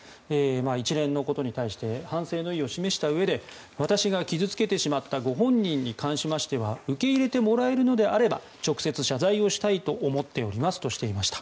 一連のことに対して反省の意を示したうえで私が傷付けてしまったご本人に関しましては受け入れてもらえるのであれば直接謝罪をしたいと思っておりますとしていました。